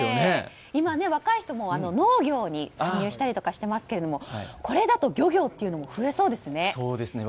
今、若い人も農業に参入したりしていますけどもこれだと漁業というのも増えそうですね。